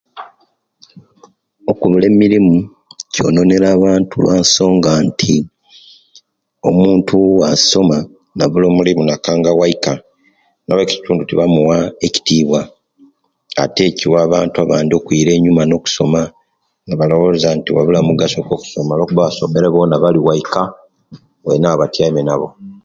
Okubula emirimu kwononera bantu olwe'nsonga nti omuntu bwasoma nabula omulimu nakanga waika abe'kitundu tibamuwa ekitibwa ate kiwa bantu bandi kwiira nyuuma nokusoma ni balowoza nti wabula mugaso gwakusoma olwokuba abasokera boona bali waika bainabo batyaime nabo.